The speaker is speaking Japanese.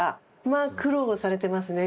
まあ苦労されてますね